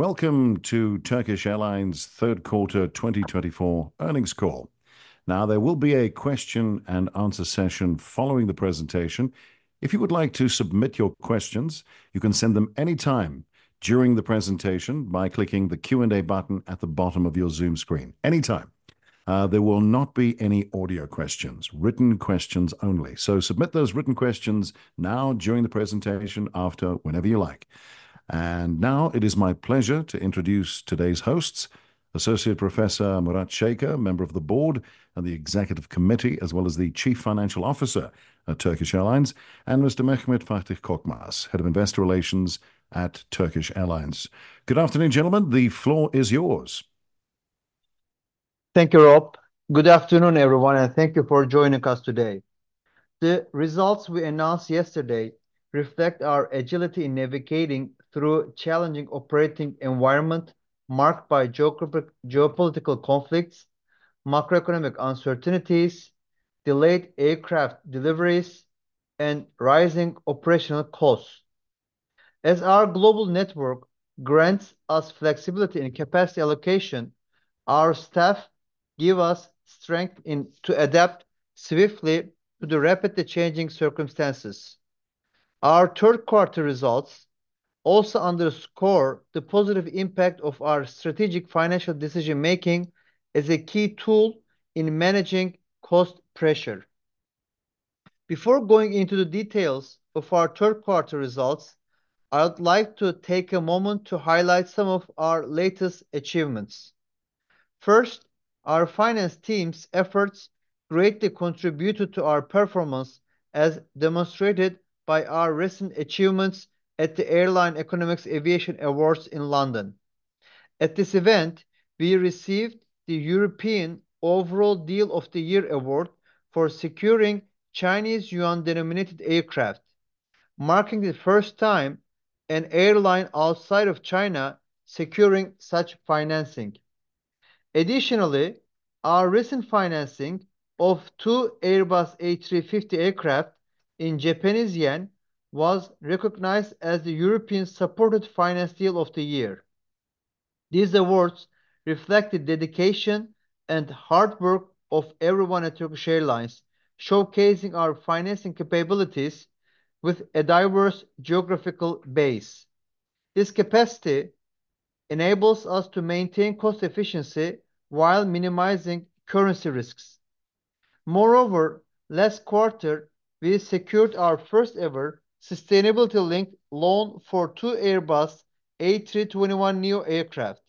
Welcome to Turkish Airlines' third quarter 2024 earnings call. Now, there will be a question-and-answer session following the presentation. If you would like to submit your questions, you can send them anytime during the presentation by clicking the Q&A button at the bottom of your Zoom screen. Anytime. There will not be any audio questions, written questions only. So submit those written questions now, during the presentation, after, whenever you like. And now, it is my pleasure to introduce today's hosts, Associate Professor Murat Şeker, Member of the Board and the Executive Committee, as well as the Chief Financial Officer at Turkish Airlines, and Mr. Mehmet Fatih Korkmaz, Head of Investor Relations at Turkish Airlines. Good afternoon, gentlemen. The floor is yours. Thank you, Rob. Good afternoon, everyone, and thank you for joining us today. The results we announced yesterday reflect our agility in navigating through a challenging operating environment marked by geopolitical conflicts, macroeconomic uncertainties, delayed aircraft deliveries, and rising operational costs. As our global network grants us flexibility in capacity allocation, our staff gives us strength to adapt swiftly to the rapidly changing circumstances. Our third-quarter results also underscore the positive impact of our strategic financial decision-making as a key tool in managing cost pressure. Before going into the details of our third-quarter results, I would like to take a moment to highlight some of our latest achievements. First, our finance team's efforts greatly contributed to our performance, as demonstrated by our recent achievements at the Airline Economics Aviation Awards in London. At this event, we received the European Overall Deal of the Year Award for securing Chinese Yuan-denominated aircraft, marking the first time an airline outside of China secured such financing. Additionally, our recent financing of two Airbus A350 aircraft in Japanese Yen was recognized as the European-supported Finance Deal of the Year. These awards reflect the dedication and hard work of everyone at Turkish Airlines, showcasing our financing capabilities with a diverse geographical base. This capacity enables us to maintain cost efficiency while minimizing currency risks. Moreover, last quarter, we secured our first-ever sustainability-linked loan for two Airbus A321neo aircraft.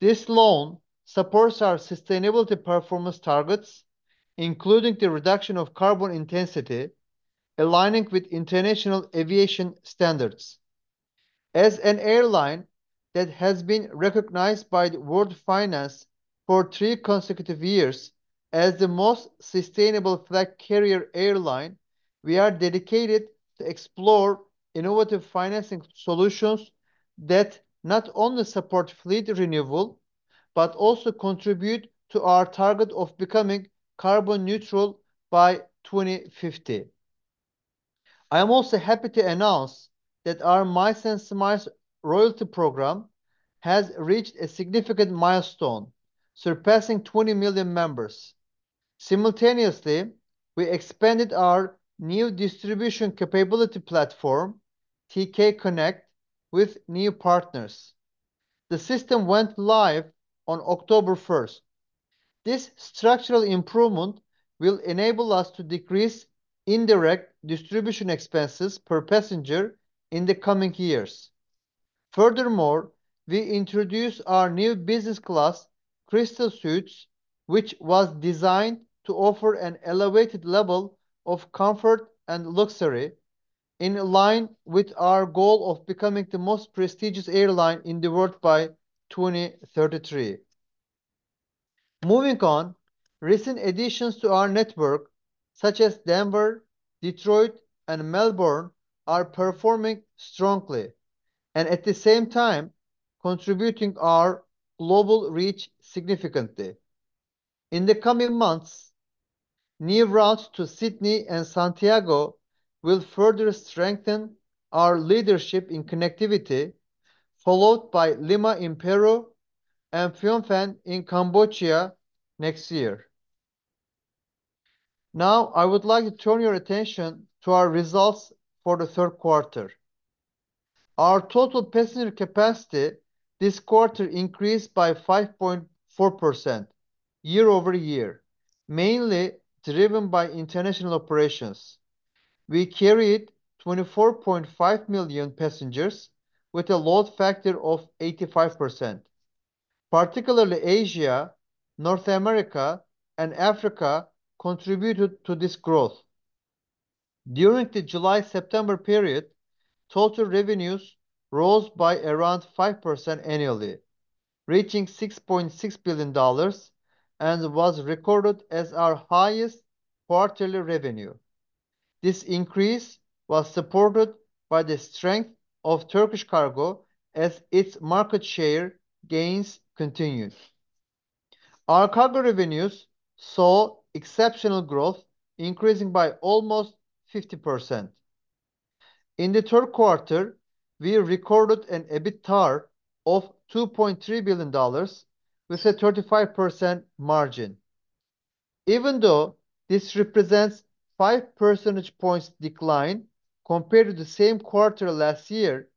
This loan supports our sustainability performance targets, including the reduction of carbon intensity, aligning with international aviation standards. As an airline that has been recognized by World Finance for three consecutive years as the most sustainable flag carrier airline, we are dedicated to exploring innovative financing solutions that not only support fleet renewal but also contribute to our target of becoming carbon neutral by 2050. I am also happy to announce that our Miles&Smiles loyalty program has reached a significant milestone, surpassing 20 million members. Simultaneously, we expanded our New Distribution Capability platform, TK Connect, with new partners. The system went live on October 1st. This structural improvement will enable us to decrease indirect distribution expenses per passenger in the coming years. Furthermore, we introduced our new business class, Crystal Suites, which was designed to offer an elevated level of comfort and luxury, in line with our goal of becoming the most prestigious airline in the world by 2033. Moving on, recent additions to our network, such as Denver, Detroit, and Melbourne, are performing strongly and, at the same time, contributing to our global reach significantly. In the coming months, new routes to Sydney and Santiago will further strengthen our leadership in connectivity, followed by Lima in Peru and Phnom Penh in Cambodia next year. Now, I would like to turn your attention to our results for the third quarter. Our total passenger capacity this quarter increased by 5.4% year over year, mainly driven by international operations. We carried 24.5 million passengers with a load factor of 85%. Particularly, Asia, North America, and Africa contributed to this growth. During the July-September period, total revenues rose by around 5% annually, reaching $6.6 billion, and was recorded as our highest quarterly revenue. This increase was supported by the strength of Turkish Cargo as its market share gains continued. Our cargo revenues saw exceptional growth, increasing by almost 50%. In the third quarter, we recorded an EBITDA of $2.3 billion with a 35% margin. Even though this represents a 5 percentage points decline compared to the same quarter last year,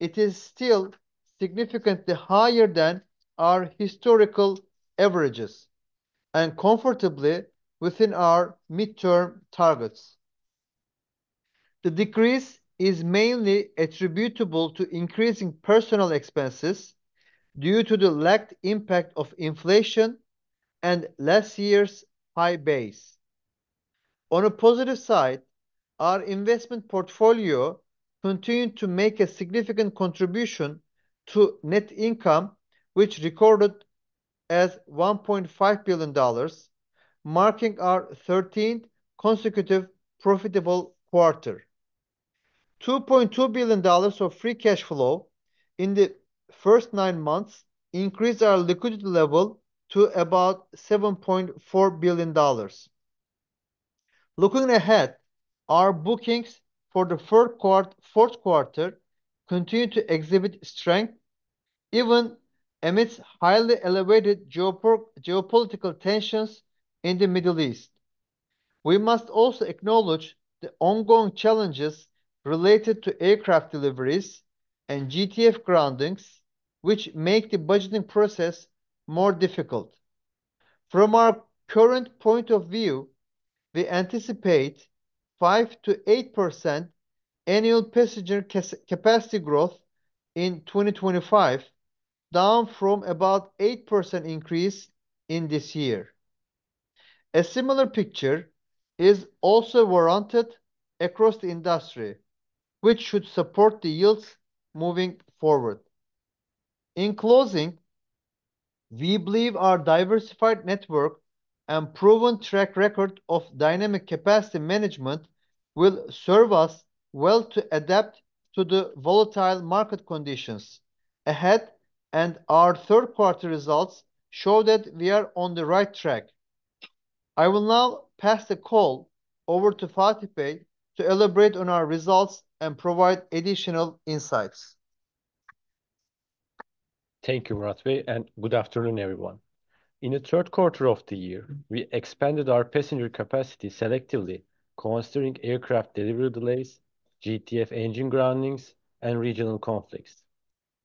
it is still significantly higher than our historical averages and comfortably within our midterm targets. The decrease is mainly attributable to increasing personnel expenses due to the lagged impact of inflation and last year's high base. On a positive side, our investment portfolio continued to make a significant contribution to net income, which recorded as $1.5 billion, marking our 13th consecutive profitable quarter. $2.2 billion of free cash flow in the first nine months increased our liquidity level to about $7.4 billion. Looking ahead, our bookings for the fourth quarter continue to exhibit strength, even amidst highly elevated geopolitical tensions in the Middle East. We must also acknowledge the ongoing challenges related to aircraft deliveries and GTF groundings, which make the budgeting process more difficult. From our current point of view, we anticipate five%-eight% annual passenger capacity growth in 2025, down from about an eight% increase in this year. A similar picture is also warranted across the industry, which should support the yields moving forward. In closing, we believe our diversified network and proven track record of dynamic capacity management will serve us well to adapt to the volatile market conditions ahead, and our third-quarter results show that we are on the right track. I will now pass the call over to Fatih Bey to elaborate on our results and provide additional insights. Thank you, Murat Bey, and good afternoon, everyone. In the third quarter of the year, we expanded our passenger capacity selectively, considering aircraft delivery delays, GTF engine groundings, and regional conflicts.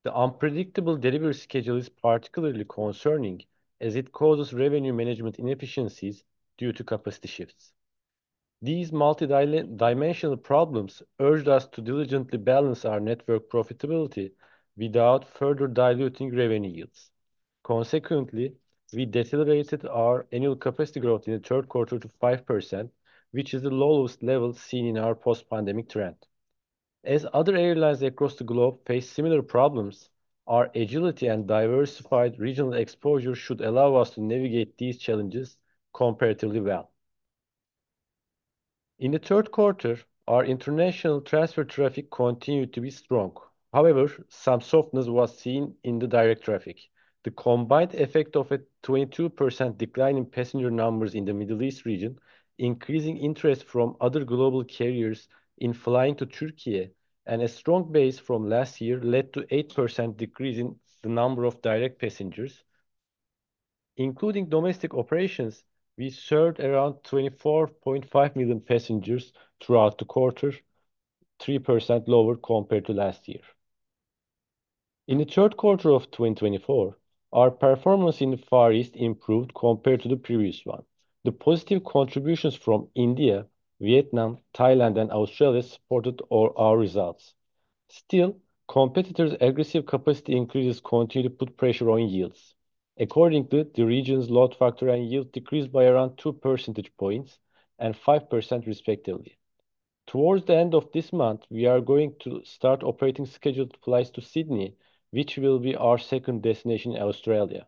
The unpredictable delivery schedule is particularly concerning as it causes revenue management inefficiencies due to capacity shifts. These multidimensional problems urged us to diligently balance our network profitability without further diluting revenue yields. Consequently, we decelerated our annual capacity growth in the third quarter to 5%, which is the lowest level seen in our post-pandemic trend. As other airlines across the globe face similar problems, our agility and diversified regional exposure should allow us to navigate these challenges comparatively well. In the third quarter, our international transfer traffic continued to be strong. However, some softness was seen in the direct traffic. The combined effect of a 22% decline in passenger numbers in the Middle East region, increasing interest from other global carriers in flying to Turkey, and a strong base from last year led to an 8% decrease in the number of direct passengers. Including domestic operations, we served around 24.5 million passengers throughout the quarter, 3% lower compared to last year. In the third quarter of 2024, our performance in the Far East improved compared to the previous one. The positive contributions from India, Vietnam, Thailand, and Australia supported our results. Still, competitors' aggressive capacity increases continue to put pressure on yields. Accordingly, the region's load factor and yield decreased by around 2 percentage points and 5%, respectively. Towards the end of this month, we are going to start operating scheduled flights to Sydney, which will be our second destination in Australia.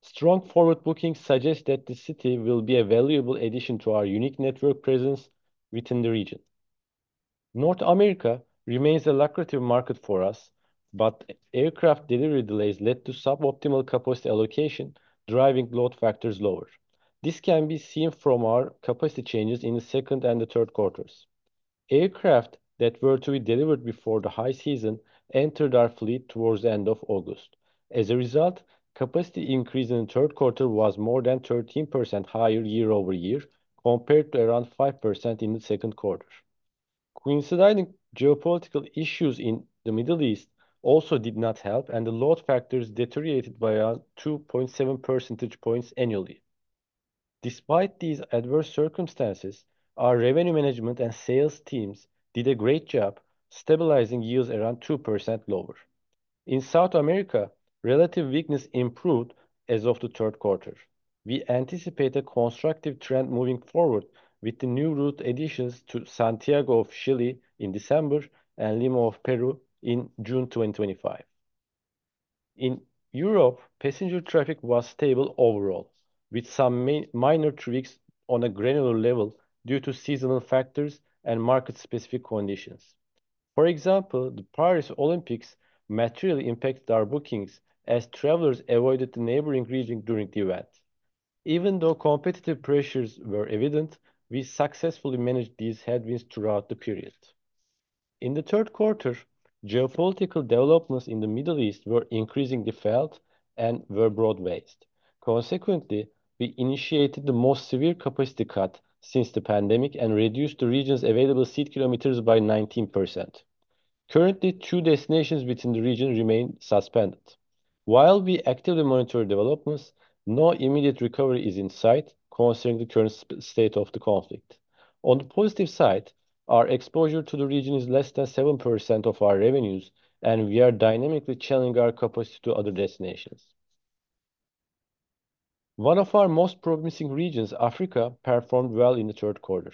Strong forward bookings suggest that the city will be a valuable addition to our unique network presence within the region. North America remains a lucrative market for us, but aircraft delivery delays led to suboptimal capacity allocation, driving load factors lower. This can be seen from our capacity changes in the second and the third quarters. Aircraft that were to be delivered before the high season entered our fleet towards the end of August. As a result, capacity increase in the third quarter was more than 13% higher year over year compared to around 5% in the second quarter. Coinciding geopolitical issues in the Middle East also did not help, and the load factors deteriorated by around 2.7 percentage points annually. Despite these adverse circumstances, our revenue management and sales teams did a great job stabilizing yields around 2% lower. In South America, relative weakness improved as of the third quarter. We anticipate a constructive trend moving forward with the new route additions to Santiago of Chile in December and Lima of Peru in June 2025. In Europe, passenger traffic was stable overall, with some minor tweaks on a granular level due to seasonal factors and market-specific conditions. For example, the Paris Olympics materially impacted our bookings as travelers avoided the neighboring region during the event. Even though competitive pressures were evident, we successfully managed these headwinds throughout the period. In the third quarter, geopolitical developments in the Middle East were increasingly felt and were broad-based. Consequently, we initiated the most severe capacity cut since the pandemic and reduced the region's available seat kilometers by 19%. Currently, two destinations within the region remain suspended. While we actively monitor developments, no immediate recovery is in sight concerning the current state of the conflict. On the positive side, our exposure to the region is less than seven% of our revenues, and we are dynamically channeling our capacity to other destinations. One of our most promising regions, Africa, performed well in the third quarter.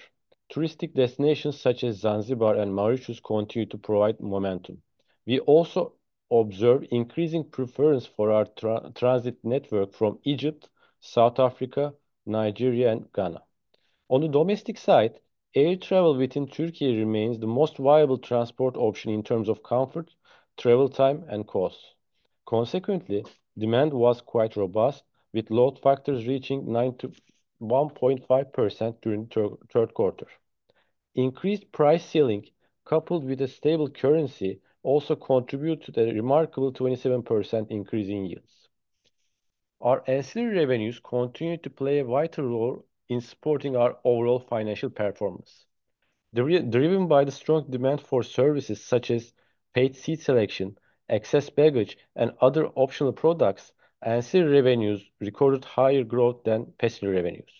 Touristic destinations such as Zanzibar and Mauritius continue to provide momentum. We also observe increasing preference for our transit network from Egypt, South Africa, Nigeria, and Ghana. On the domestic side, air travel within Turkey remains the most viable transport option in terms of comfort, travel time, and cost. Consequently, demand was quite robust, with load factors reaching nine%-1.5% during the third quarter. Increased price ceiling, coupled with a stable currency, also contributed to the remarkable 27% increase in yields. Our ancillary revenues continue to play a vital role in supporting our overall financial performance. Driven by the strong demand for services such as paid seat selection, excess baggage, and other optional products, ancillary revenues recorded higher growth than passenger revenues.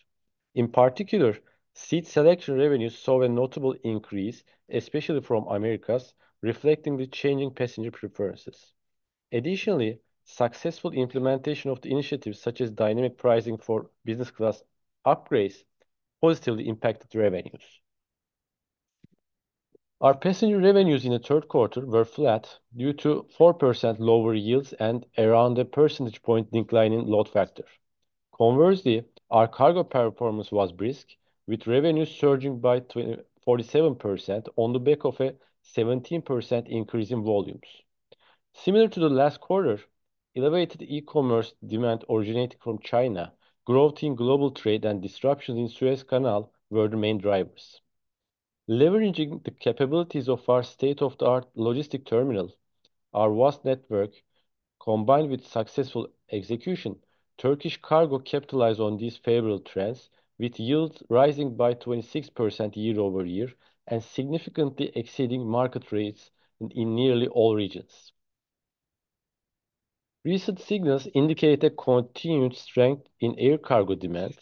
In particular, seat selection revenues saw a notable increase, especially from Americas, reflecting the changing passenger preferences. Additionally, successful implementation of the initiatives such as dynamic pricing for business class upgrades positively impacted revenues. Our passenger revenues in the third quarter were flat due to 4% lower yields and around a percentage point declining load factor. Conversely, our cargo performance was brisk, with revenues surging by 47% on the back of a 17% increase in volumes. Similar to the last quarter, elevated e-commerce demand originating from China, growth in global trade, and disruptions in Suez Canal were the main drivers. Leveraging the capabilities of our state-of-the-art logistics terminal, our vast network, combined with successful execution, Turkish Cargo capitalized on these favorable trends, with yields rising by 26% year over year and significantly exceeding market rates in nearly all regions. Recent signals indicate a continued strength in air cargo demand,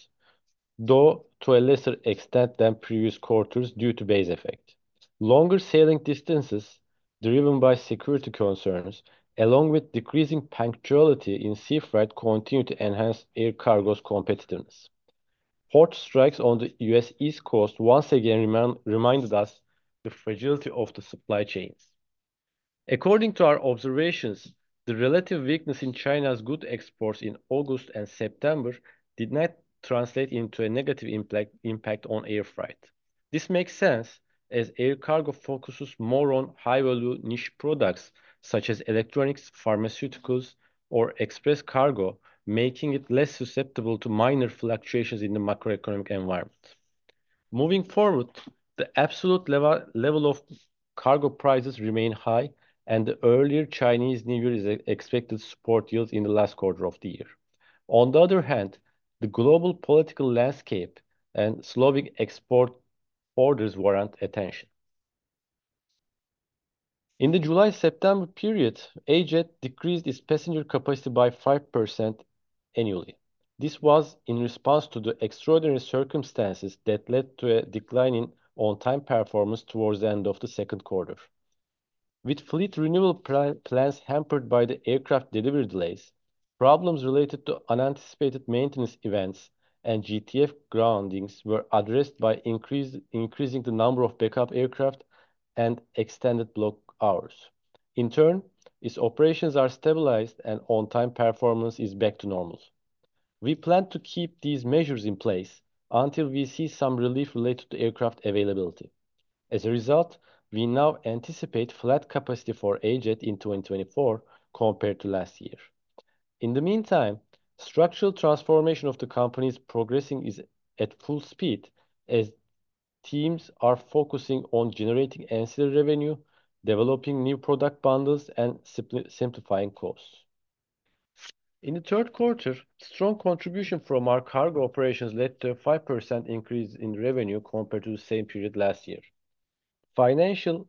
though to a lesser extent than previous quarters due to base effect. Longer sailing distances, driven by security concerns, along with decreasing punctuality in sea freight, continue to enhance air cargo's competitiveness. Port strikes on the U.S. East Coast once again reminded us of the fragility of the supply chains. According to our observations, the relative weakness in China's goods exports in August and September did not translate into a negative impact on air cargo. This makes sense as air cargo focuses more on high-value niche products such as electronics, pharmaceuticals, or express cargo, making it less susceptible to minor fluctuations in the macroeconomic environment. Moving forward, the absolute level of cargo prices remained high, and the earlier Chinese New Year is expected to support yields in the last quarter of the year. On the other hand, the global political landscape and slowing export orders warrant attention. In the July-September period, AJet decreased its passenger capacity by 5% annually. This was in response to the extraordinary circumstances that led to a decline in on-time performance towards the end of the second quarter. With fleet renewal plans hampered by the aircraft delivery delays, problems related to unanticipated maintenance events and GTF groundings were addressed by increasing the number of backup aircraft and extended block hours. In turn, its operations are stabilized and on-time performance is back to normal. We plan to keep these measures in place until we see some relief related to aircraft availability. As a result, we now anticipate flat capacity for AJet in 2024 compared to last year. In the meantime, structural transformation of the company is progressing at full speed as teams are focusing on generating ancillary revenue, developing new product bundles, and simplifying costs. In the third quarter, strong contribution from our cargo operations led to a 5% increase in revenue compared to the same period last year. Financial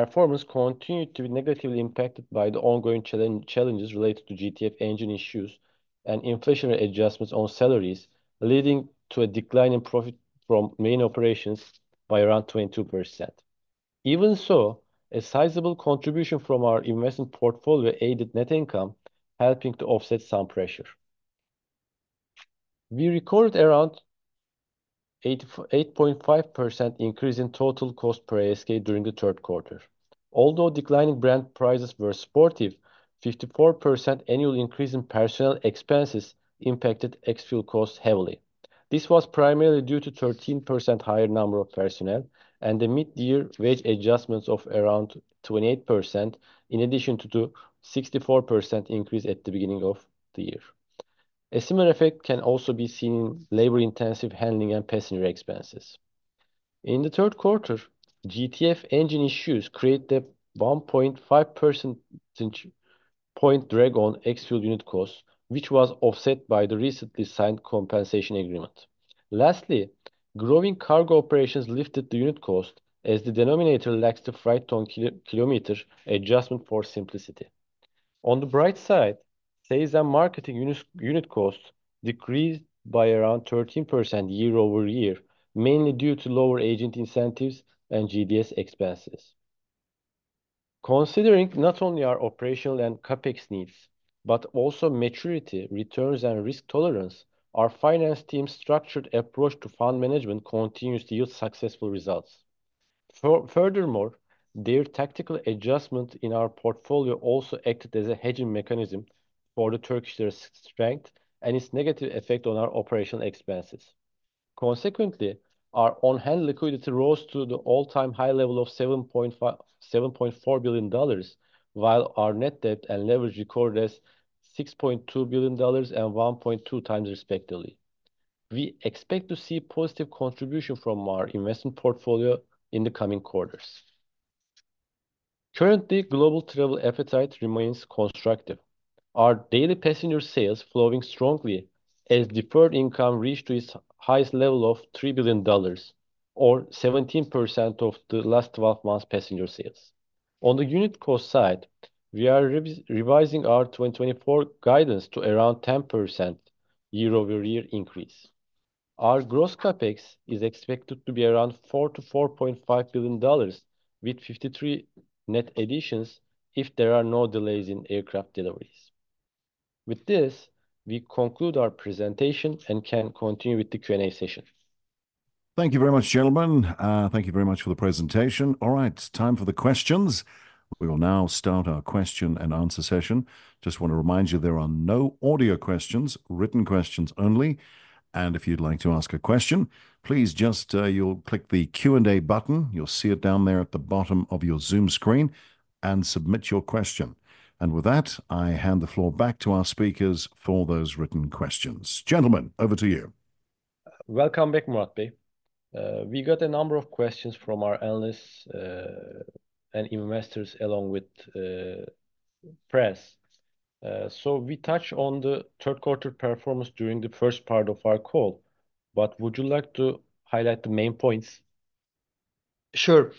performance continued to be negatively impacted by the ongoing challenges related to GTF engine issues and inflationary adjustments on salaries, leading to a decline in profit from main operations by around 22%. Even so, a sizable contribution from our investment portfolio aided net income, helping to offset some pressure. We recorded around an 8.5% increase in total cost per ASK during the third quarter. Although declining brand prices were supportive, a 54% annual increase in personnel expenses impacted ex-fuel costs heavily. This was primarily due to a 13% higher number of personnel and the mid-year wage adjustments of around 28%, in addition to the 64% increase at the beginning of the year. A similar effect can also be seen in labor-intensive handling and passenger expenses. In the third quarter, GTF engine issues created a 1.5 percentage point drag on ex-fuel unit costs, which was offset by the recently signed compensation agreement. Lastly, growing cargo operations lifted the unit cost as the denominator lacks the freight-ton-kilometer adjustment for simplicity. On the bright side, CASK marketing unit costs decreased by around 13% year over year, mainly due to lower agent incentives and GDS expenses. Considering not only our operational and CAPEX needs, but also maturity, returns, and risk tolerance, our finance team's structured approach to fund management continues to yield successful results. Furthermore, their tactical adjustment in our portfolio also acted as a hedging mechanism for the Turkish strength and its negative effect on our operational expenses. Consequently, our on-hand liquidity rose to the all-time high level of $7.4 billion, while our net debt and leverage recorded $6.2 billion and 1.2 times, respectively. We expect to see positive contribution from our investment portfolio in the coming quarters. Currently, global travel appetite remains constructive. Our daily passenger sales are flowing strongly as deferred income reached its highest level of $3 billion, or 17% of the last 12 months' passenger sales. On the unit cost side, we are revising our 2024 guidance to around 10% year-over-year increase. Our gross CAPEX is expected to be around $4-$4.5 billion, with 53 net additions if there are no delays in aircraft deliveries. With this, we conclude our presentation and can continue with the Q&A session. Thank you very much, gentlemen. Thank you very much for the presentation. All right, time for the questions. We will now start our question and answer session. Just want to remind you there are no audio questions, written questions only. And if you'd like to ask a question, please just click the Q&A button. You'll see it down there at the bottom of your Zoom screen and submit your question. And with that, I hand the floor back to our speakers for those written questions. Gentlemen, over to you. Welcome back, Murat Bey. We got a number of questions from our analysts and investors, along with the press. So we touched on the third-quarter performance during the first part of our call, but would you like to highlight the main points? Sure.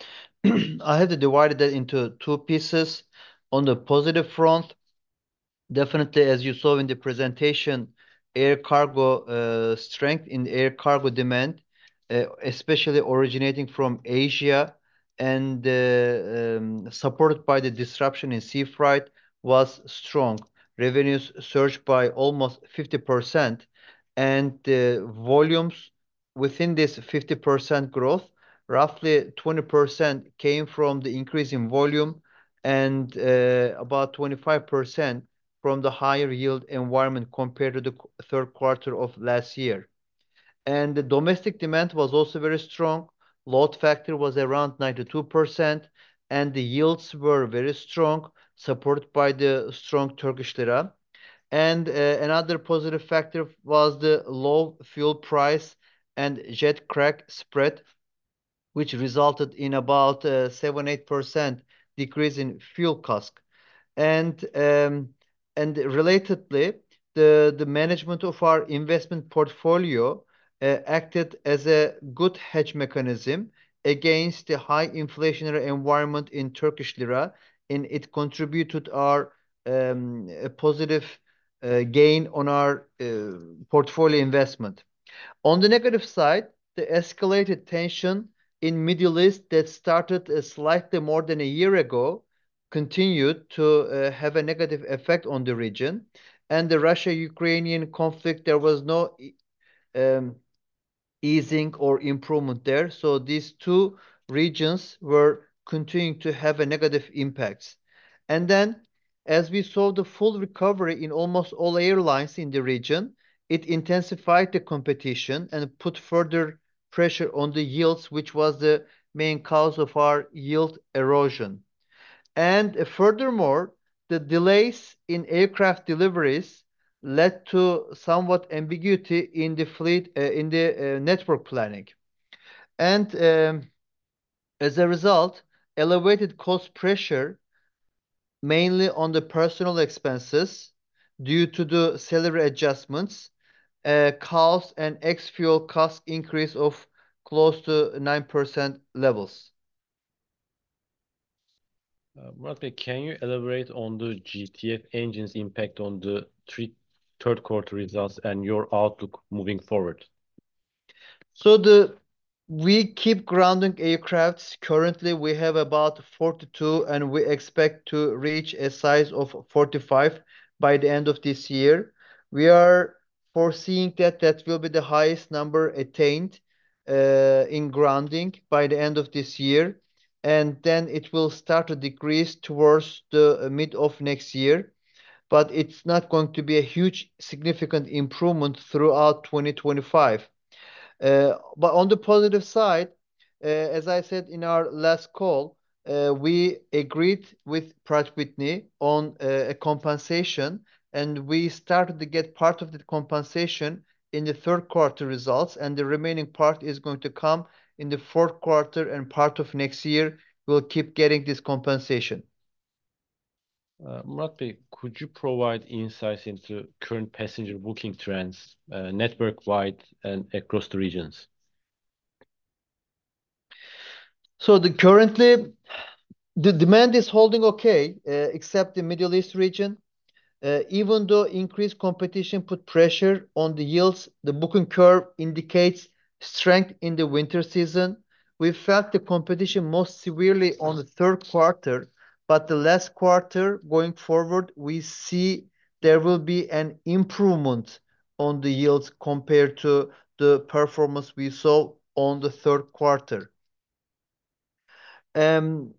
I had divided that into two pieces. On the positive front, definitely, as you saw in the presentation, air cargo strength in air cargo demand, especially originating from Asia and supported by the disruption in sea freight, was strong. Revenues surged by almost 50%, and volumes within this 50% growth, roughly 20% came from the increase in volume and about 25% from the higher yield environment compared to the third quarter of last year. And the domestic demand was also very strong. Load factor was around 92%, and the yields were very strong, supported by the strong Turkish lira. And another positive factor was the low fuel price and jet crack spread, which resulted in about a 7-8% decrease in fuel cost. And relatedly, the management of our investment portfolio acted as a good hedge mechanism against the high inflationary environment in Turkish lira, and it contributed to our positive gain on our portfolio investment. On the negative side, the escalated tension in the Middle East that started slightly more than a year ago continued to have a negative effect on the region. And the Russia-Ukraine conflict, there was no easing or improvement there. So these two regions were continuing to have negative impacts. And then, as we saw the full recovery in almost all airlines in the region, it intensified the competition and put further pressure on the yields, which was the main cause of our yield erosion. And furthermore, the delays in aircraft deliveries led to somewhat ambiguity in the fleet in the network planning. As a result, elevated cost pressure, mainly on the personal expenses due to the salary adjustments, caused an ex-fuel cost increase of close to 9% levels. Murat Bey, can you elaborate on the GTF engine's impact on the third-quarter results and your outlook moving forward? We keep grounding aircrafts. Currently, we have about 42, and we expect to reach a size of 45 by the end of this year. We are foreseeing that that will be the highest number attained in grounding by the end of this year. Then it will start to decrease towards the mid of next year. It's not going to be a huge significant improvement throughout 2025. But on the positive side, as I said in our last call, we agreed with Pratt & Whitney on a compensation, and we started to get part of the compensation in the third-quarter results, and the remaining part is going to come in the fourth quarter and part of next year. We'll keep getting this compensation. Murat Bey, could you provide insights into current passenger booking trends network-wide and across the regions? So currently, the demand is holding okay, except the Middle East region. Even though increased competition put pressure on the yields, the booking curve indicates strength in the winter season. We felt the competition most severely on the third quarter, but the last quarter going forward, we see there will be an improvement on the yields compared to the performance we saw on the third quarter. If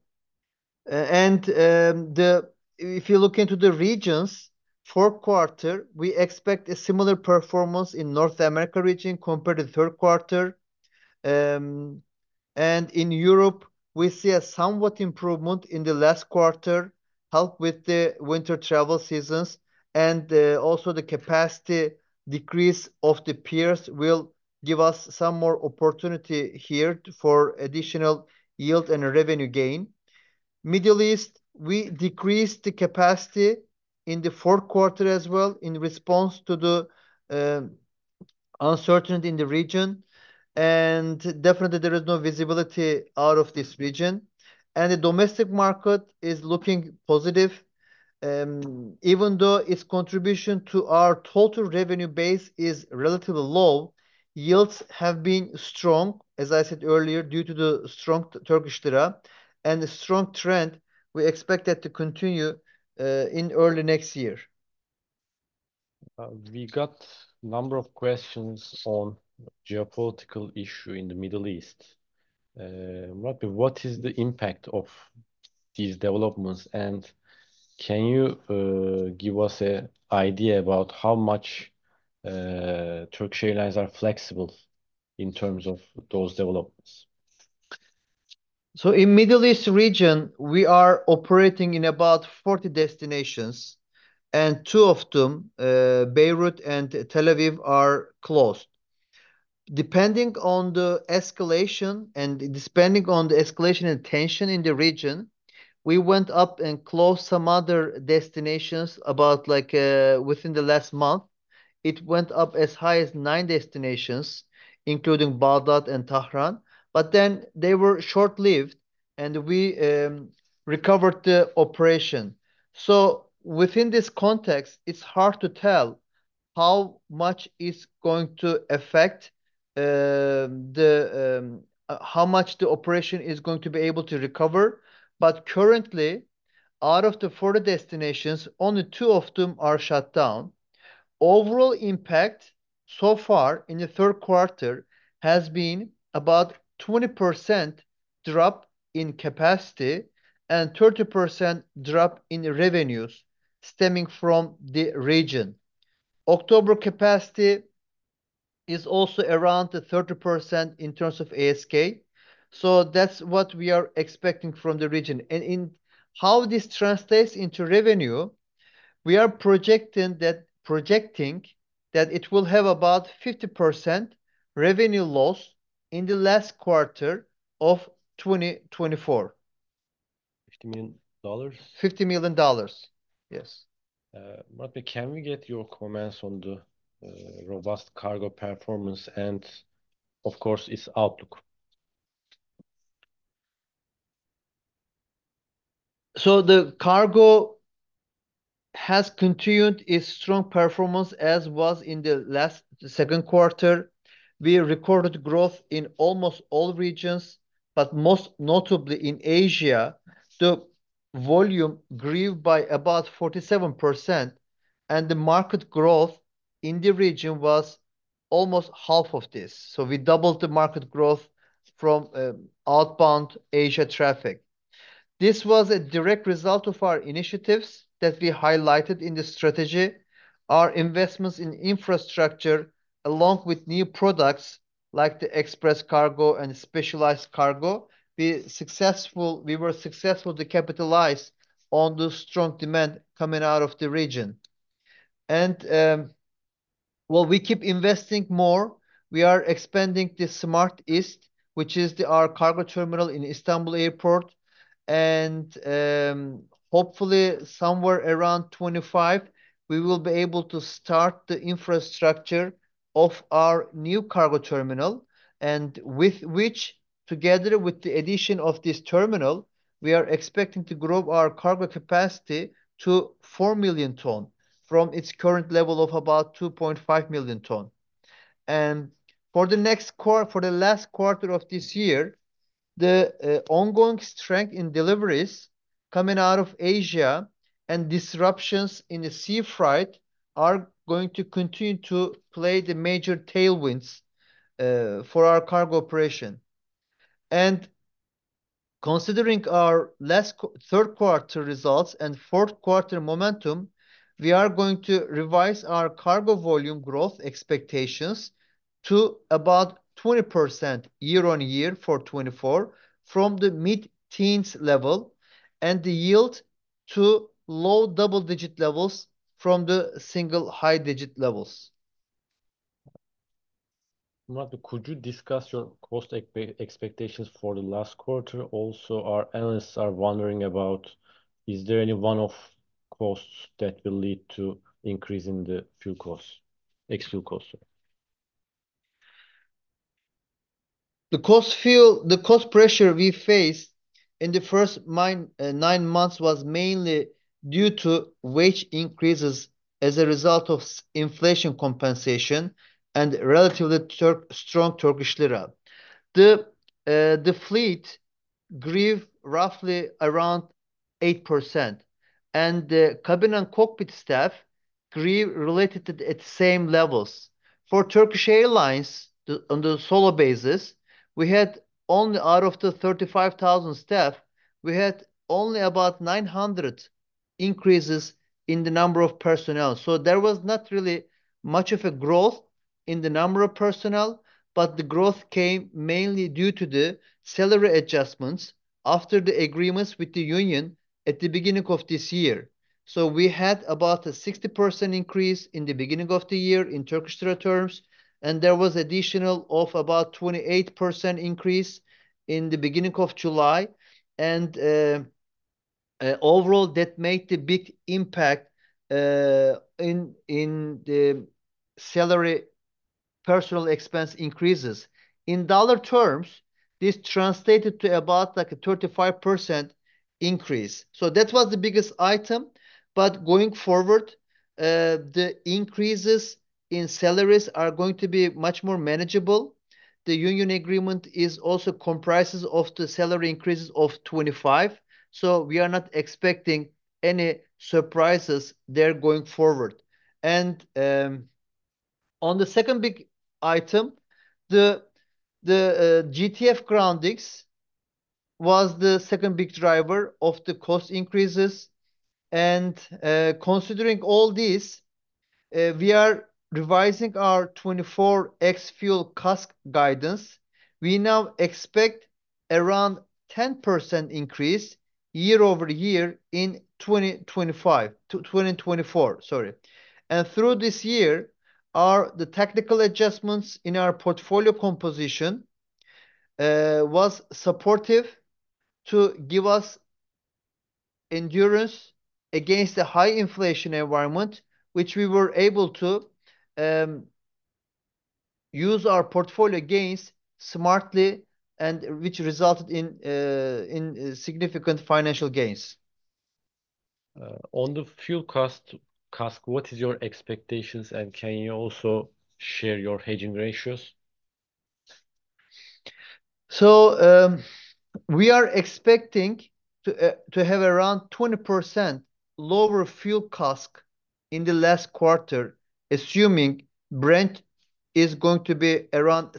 you look into the regions, fourth quarter, we expect a similar performance in the North America region compared to the third quarter. In Europe, we see a somewhat improvement in the last quarter, helped with the winter travel seasons, and also the capacity decrease of the peers will give us some more opportunity here for additional yield and revenue gain. Middle East, we decreased the capacity in the fourth quarter as well in response to the uncertainty in the region. Definitely, there is no visibility out of this region. The domestic market is looking positive. Even though its contribution to our total revenue base is relatively low, yields have been strong, as I said earlier, due to the strong Turkish lira and the strong trend we expect that to continue in early next year. We got a number of questions on the geopolitical issue in the Middle East. Murat Bey, what is the impact of these developments? And can you give us an idea about how much Turkish Airlines are flexible in terms of those developments? So in the Middle East region, we are operating in about 40 destinations, and two of them, Beirut and Tel Aviv, are closed. Depending on the escalation and tension in the region, we went up and closed some other destinations about like within the last month. It went up as high as nine destinations, including Baghdad and Tehran. But then they were short-lived, and we recovered the operation. So within this context, it's hard to tell how much it's going to affect how much the operation is going to be able to recover. But currently, out of the four destinations, only two of them are shut down. Overall impact so far in the third quarter has been about a 20% drop in capacity and a 30% drop in revenues stemming from the region. October capacity is also around 30% in terms of ASK. So that's what we are expecting from the region. And in how this translates into revenue, we are projecting that it will have about a 50% revenue loss in the last quarter of 2024. $50 million? $50 million, yes. Murat Bey, can we get your comments on the robust cargo performance and, of course, its outlook? So the cargo has continued its strong performance as was in the last second quarter. We recorded growth in almost all regions, but most notably in Asia. The volume grew by about 47%, and the market growth in the region was almost half of this, so we doubled the market growth from outbound Asia traffic. This was a direct result of our initiatives that we highlighted in the strategy. Our investments in infrastructure, along with new products like the express cargo and specialized cargo, we were successful to capitalize on the strong demand coming out of the region, and while we keep investing more, we are expanding the SmartIST, which is our cargo terminal in Istanbul Airport, and hopefully, somewhere around 2025, we will be able to start the infrastructure of our new cargo terminal, and with which, together with the addition of this terminal, we are expecting to grow our cargo capacity to 4 million tons from its current level of about 2.5 million tons. For the next quarter, for the last quarter of this year, the ongoing strength in deliveries coming out of Asia and disruptions in the sea freight are going to continue to play the major tailwinds for our cargo operation. Considering our last third-quarter results and fourth-quarter momentum, we are going to revise our cargo volume growth expectations to about 20% year-on-year for 2024 from the mid-teens level and the yield to low double-digit levels from the single high-digit levels. Murat Bey, could you discuss your cost expectations for the last quarter? Also, our analysts are wondering about is there any one-off costs that will lead to increasing the fuel costs, ex-fuel costs? The cost pressure we faced in the first nine months was mainly due to wage increases as a result of inflation compensation and relatively strong Turkish lira. The fleet grew roughly around 8%, and the cabin and cockpit staff grew related at the same levels. For Turkish Airlines on the solo basis, we had only out of the 35,000 staff, we had only about 900 increases in the number of personnel. So there was not really much of a growth in the number of personnel, but the growth came mainly due to the salary adjustments after the agreements with the union at the beginning of this year. So we had about a 60% increase in the beginning of the year in Turkish lira terms, and there was an additional of about 28% increase in the beginning of July. And overall, that made the big impact in the salary personal expense increases. In dollar terms, this translated to about like a 35% increase. So that was the biggest item. But going forward, the increases in salaries are going to be much more manageable. The union agreement also comprises of the salary increases of 25%. So we are not expecting any surprises there going forward. And on the second big item, the GTF groundings was the second big driver of the cost increases. And considering all this, we are revising our 2024 ex-fuel cost guidance. We now expect around a 10% increase year over year in 2025 to 2024, sorry. And through this year, the technical adjustments in our portfolio composition were supportive to give us endurance against the high inflation environment, which we were able to use our portfolio gains smartly, and which resulted in significant financial gains. On the fuel cost, what are your expectations? And can you also share your hedging ratios? We are expecting to have around 20% lower fuel costs in the last quarter, assuming Brent is going to be around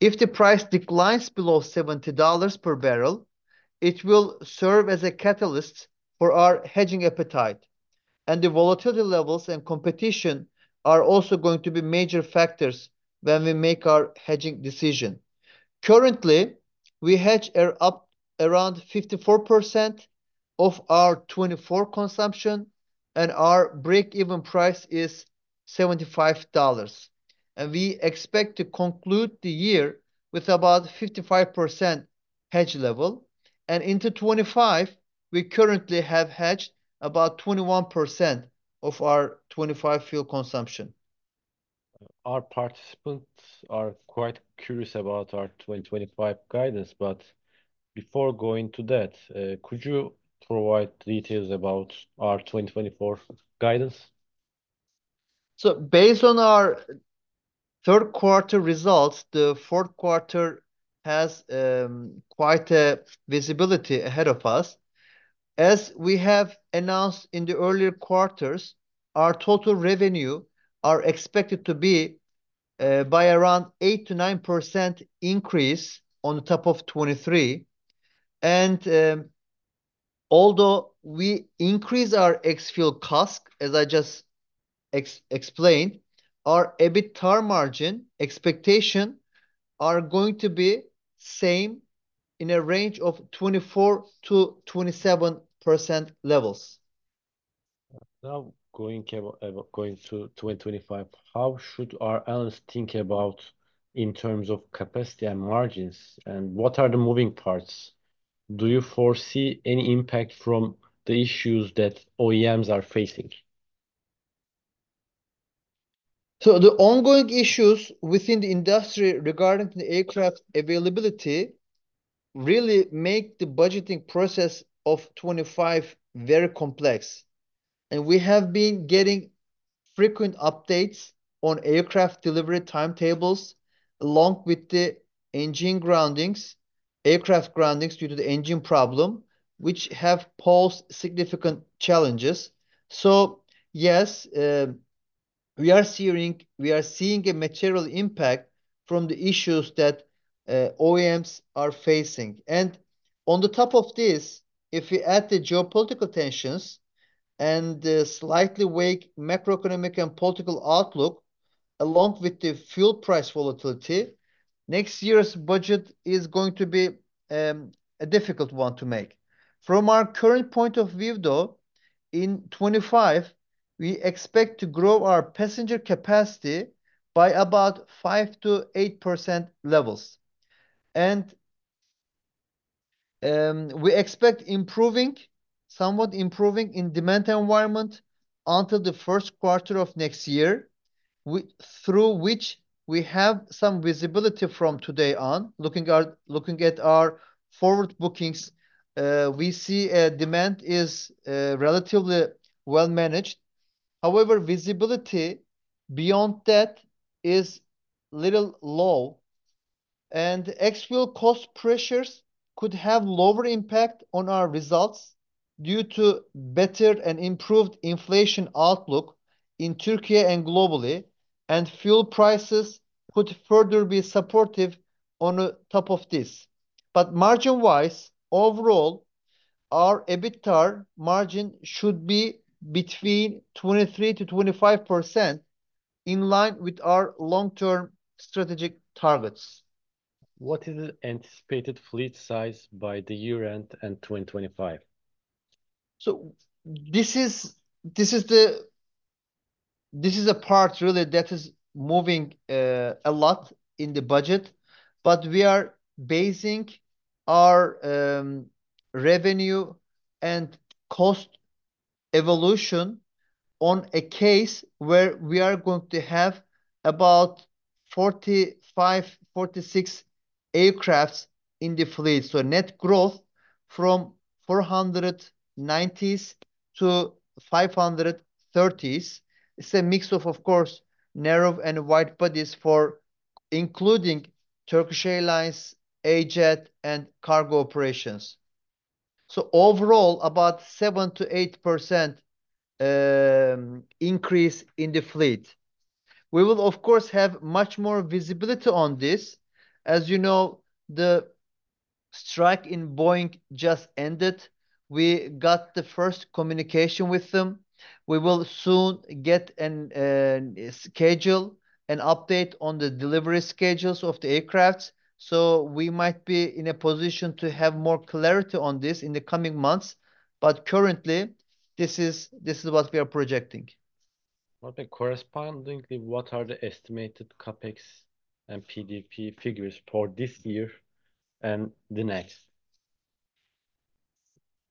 $76. If the price declines below $70 per barrel, it will serve as a catalyst for our hedging appetite. The volatility levels and competition are also going to be major factors when we make our hedging decision. Currently, we hedge up around 54% of our 2024 consumption, and our break-even price is $75. We expect to conclude the year with about a 55% hedge level. Into 2025, we currently have hedged about 21% of our 2025 fuel consumption. Our participants are quite curious about our 2025 guidance. Before going to that, could you provide details about our 2024 guidance? Based on our third-quarter results, the fourth quarter has quite a visibility ahead of us. As we have announced in the earlier quarters, our total revenue is expected to be by around 8%-9% increase on top of 2023. And although we increased our ex-fuel costs, as I just explained, our EBITDAR margin expectations are going to be the same in a range of 24%-27% levels. Now, going to 2025, how should our analysts think about in terms of capacity and margins? And what are the moving parts? Do you foresee any impact from the issues that OEMs are facing? So the ongoing issues within the industry regarding the aircraft availability really make the budgeting process of 2025 very complex. And we have been getting frequent updates on aircraft delivery timetables along with the engine groundings, aircraft groundings due to the engine problem, which have posed significant challenges. So yes, we are seeing a material impact from the issues that OEMs are facing. And on top of this, if we add the geopolitical tensions and the slightly weak macroeconomic and political outlook along with the fuel price volatility, next year's budget is going to be a difficult one to make. From our current point of view, though, in 2025, we expect to grow our passenger capacity by about 5%-8% levels. And we expect somewhat improving in demand environment until the first quarter of next year, through which we have some visibility from today on. Looking at our forward bookings, we see demand is relatively well-managed. However, visibility beyond that is a little low. Ex-fuel cost pressures could have a lower impact on our results due to better and improved inflation outlook in Türkiye and globally, and fuel prices could further be supportive on the top of this. But margin-wise, overall, our EBITDAR margin should be between 23%-25% in line with our long-term strategic targets. What is the anticipated fleet size by the year end and 2025? So this is the part really that is moving a lot in the budget. But we are basing our revenue and cost evolution on a case where we are going to have about 45, 46 aircraft in the fleet. So net growth from 490s to 530s. It's a mix of, of course, narrow and wide bodies for including Turkish Airlines, AJet, and cargo operations. So overall, about 7%-8% increase in the fleet. We will, of course, have much more visibility on this. As you know, the strike in Boeing just ended. We got the first communication with them. We will soon get a schedule and update on the delivery schedules of the aircraft. So we might be in a position to have more clarity on this in the coming months. But currently, this is what we are projecting. Murat Bey, correspondingly, what are the estimated CAPEX and PDP figures for this year and the next?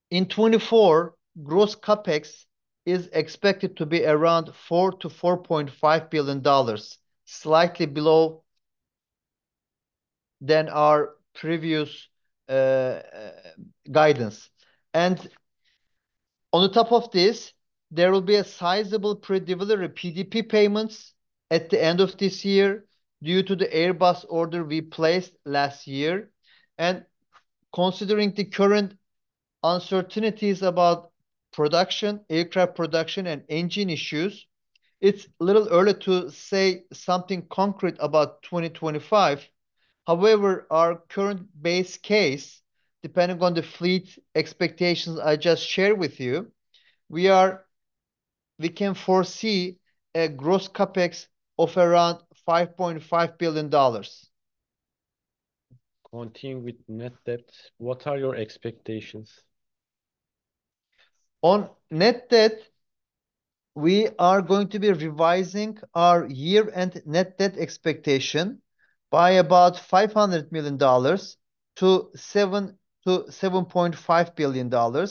In 2024, gross CAPEX is expected to be around $4-$4.5 billion, slightly below than our previous guidance. And on the top of this, there will be a sizable predelivery PDP payments at the end of this year due to the Airbus order we placed last year. Considering the current uncertainties about production, aircraft production, and engine issues, it's a little early to say something concrete about 2025. However, our current base case, depending on the fleet expectations I just shared with you, we can foresee a gross CapEx of around $5.5 billion. Continue with net debt. What are your expectations? On net debt, we are going to be revising our year-end net debt expectation by about $500 million to $7-$7.5 billion.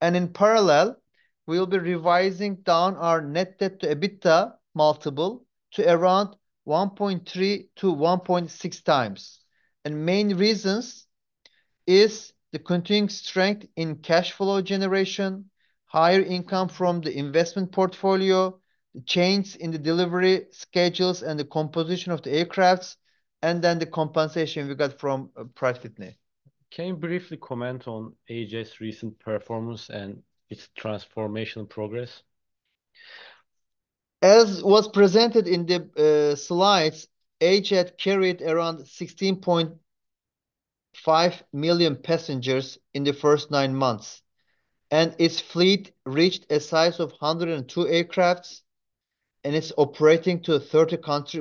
And in parallel, we will be revising down our net debt to EBITDA multiple to around 1.3-1.6 times. And main reasons are the continuing strength in cash flow generation, higher income from the investment portfolio, the change in the delivery schedules, and the composition of the aircraft, and then the compensation we got from Pratt & Whitney. Can you briefly comment on AJet's recent performance and its transformation progress? As was presented in the slides, AJet carried around 16.5 million passengers in the first nine months. And its fleet reached a size of 102 aircraft, and it's operating to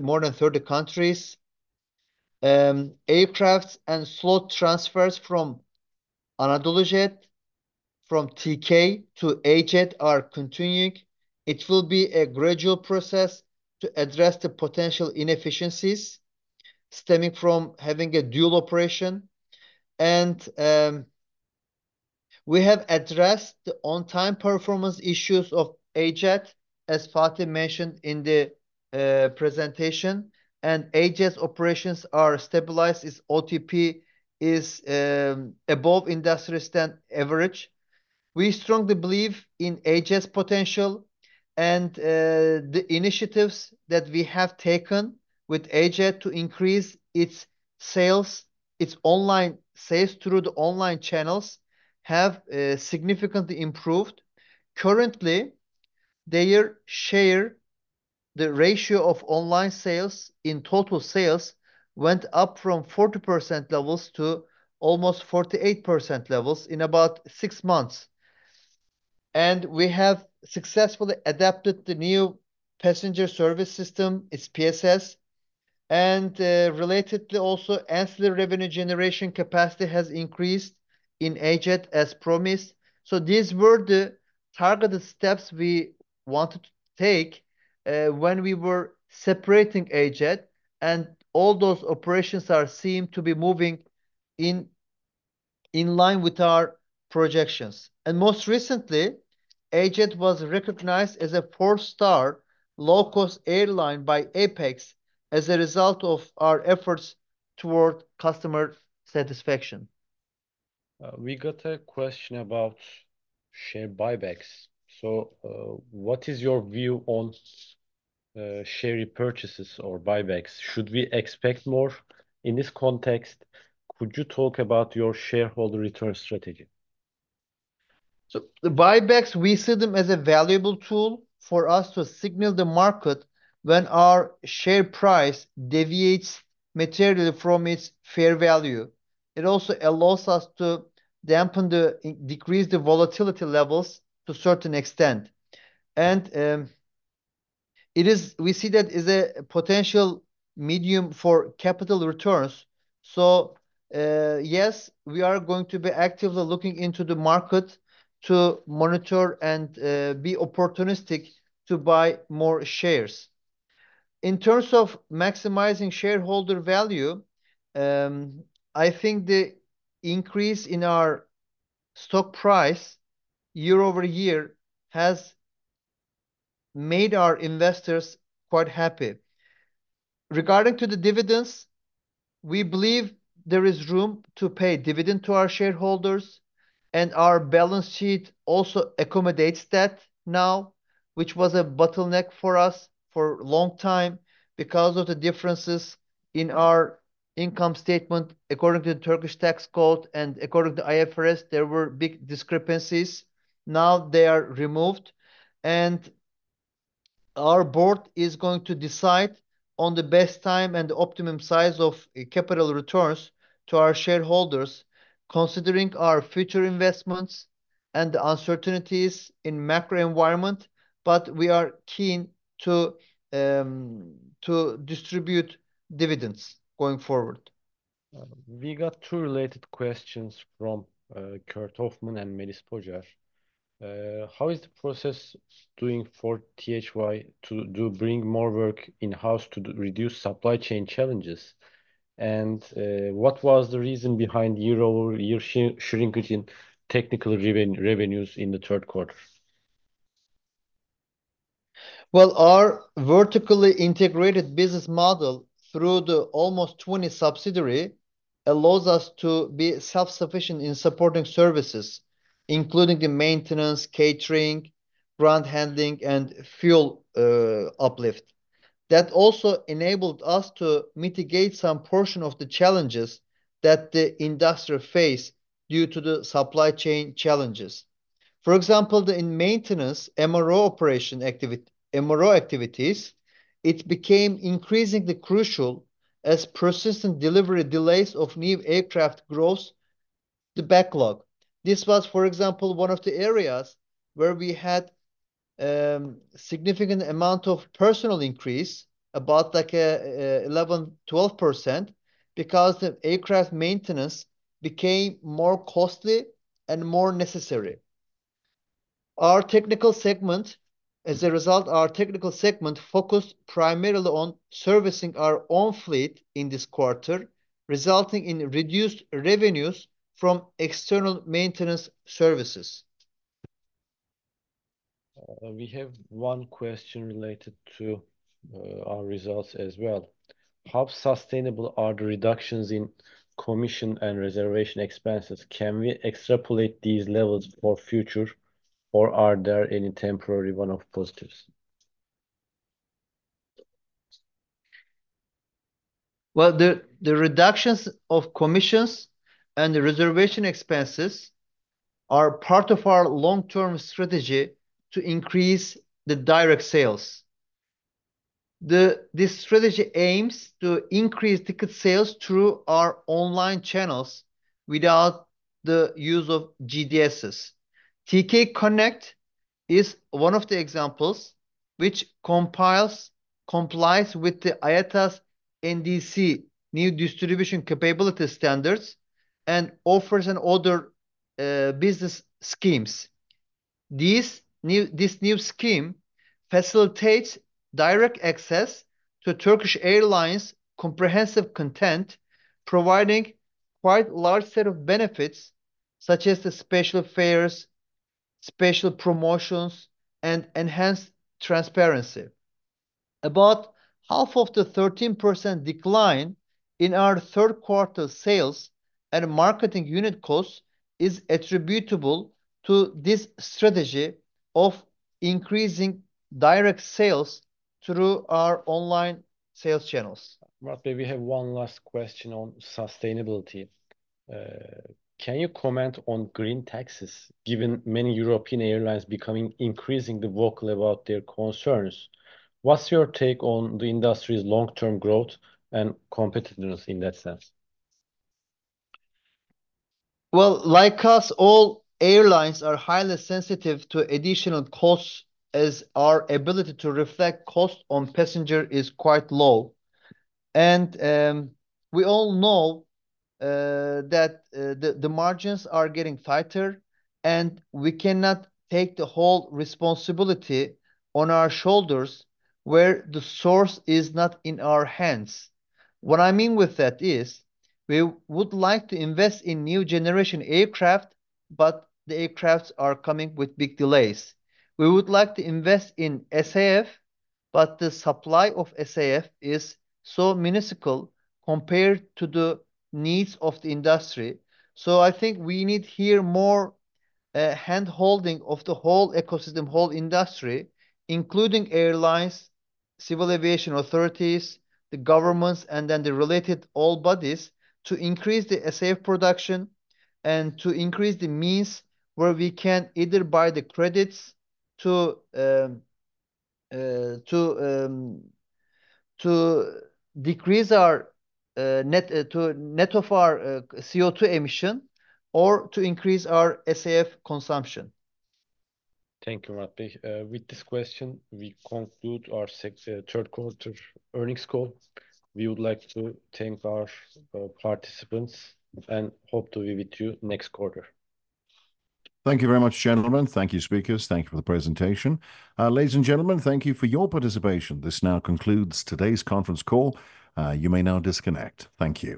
more than 30 countries. Aircraft and slot transfers from AnadoluJet, from TK to AJet are continuing. It will be a gradual process to address the potential inefficiencies stemming from having a dual operation. And we have addressed the on-time performance issues of AJet, as Fatih mentioned in the presentation. And AJet's operations are stabilized. Its OTP is above industry standard average. We strongly believe in AJet's potential. And the initiatives that we have taken with AJet to increase its sales, its online sales through the online channels, have significantly improved. Currently, their share, the ratio of online sales in total sales, went up from 40% levels to almost 48% levels in about six months. We have successfully adapted the new passenger service system, its PSS. Relatedly, also, ancillary revenue generation capacity has increased in AJet, as promised. These were the targeted steps we wanted to take when we were separating AJet. All those operations seem to be moving in line with our projections. Most recently, AJet was recognized as a four-star low-cost airline by APEX as a result of our efforts toward customer satisfaction. We got a question about share buybacks. What is your view on share repurchases or buybacks? Should we expect more in this context? Could you talk about your shareholder return strategy? The buybacks, we see them as a valuable tool for us to signal the market when our share price deviates materially from its fair value. It also allows us to decrease the volatility levels to a certain extent. We see that as a potential medium for capital returns. So yes, we are going to be actively looking into the market to monitor and be opportunistic to buy more shares. In terms of maximizing shareholder value, I think the increase in our stock price year over year has made our investors quite happy. Regarding the dividends, we believe there is room to pay dividend to our shareholders. Our balance sheet also accommodates that now, which was a bottleneck for us for a long time because of the differences in our income statement according to the Turkish tax code. According to IFRS, there were big discrepancies. Now they are removed. Our board is going to decide on the best time and the optimum size of capital returns to our shareholders, considering our future investments and the uncertainties in the macro environment. But we are keen to distribute dividends going forward. We got two related questions from Kurt Hofmann and Melis Pocar. How is the process doing for THY to bring more work in-house to reduce supply chain challenges? And what was the reason behind year-over-year shrinkage in technical revenues in the third quarter? Well, our vertically integrated business model through the almost 20 subsidiaries allows us to be self-sufficient in supporting services, including the maintenance, catering, ground handling, and fuel uplift. That also enabled us to mitigate some portion of the challenges that the industry faced due to the supply chain challenges. For example, in maintenance, MRO activities, it became increasingly crucial as persistent delivery delays of new aircraft grows the backlog. This was, for example, one of the areas where we had a significant amount of personnel increase, about like 11%, 12%, because the aircraft maintenance became more costly and more necessary. As a result, our technical segment focused primarily on servicing our own fleet in this quarter, resulting in reduced revenues from external maintenance services. We have one question related to our results as well. How sustainable are the reductions in commission and reservation expenses? Can we extrapolate these levels for future, or are there any temporary one-off positives? Well, the reductions of commissions and the reservation expenses are part of our long-term strategy to increase the direct sales. This strategy aims to increase ticket sales through our online channels without the use of GDSs. TK Connect is one of the examples which complies with the IATA's NDC, New Distribution Capability Standards, and offers other business schemes. This new scheme facilitates direct access to Turkish Airlines' comprehensive content, providing quite a large set of benefits, such as the special fares, special promotions, and enhanced transparency. About half of the 13% decline in our third-quarter sales and marketing unit costs is attributable to this strategy of increasing direct sales through our online sales channels. Murat Bey, we have one last question on sustainability. Can you comment on green taxes, given many European airlines are becoming increasingly vocal about their concerns? What's your take on the industry's long-term growth and competitiveness in that sense? Well, like us, all airlines are highly sensitive to additional costs, as our ability to reflect cost on passengers is quite low. And we all know that the margins are getting tighter, and we cannot take the whole responsibility on our shoulders where the source is not in our hands. What I mean with that is we would like to invest in new generation aircraft, but the aircraft are coming with big delays. We would like to invest in SAF, but the supply of SAF is so minuscule compared to the needs of the industry. So I think we need here more hand-holding of the whole ecosystem, whole industry, including airlines, civil aviation authorities, the governments, and then the related all bodies to increase the SAF production and to increase the means where we can either buy the credits to decrease our net of our CO2 emission or to increase our SAF consumption. Thank you, Murat Bey. With this question, we conclude our third-quarter earnings call. We would like to thank our participants and hope to be with you next quarter. Thank you very much, gentlemen. Thank you, speakers. Thank you for the presentation. Ladies and gentlemen, thank you for your participation. This now concludes today's conference call. You may now disconnect. Thank you.